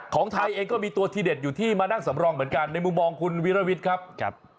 ของไทยเองก็มีตัวทีเด็ดอยู่ที่มานั่งสำรองเหมือนกันในมุมมองคุณวิรวิทย์ครับ